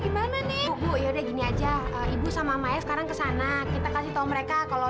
gimana nih ibu ya udah gini aja ibu sama maya sekarang kesana kita kasih tahu mereka kalau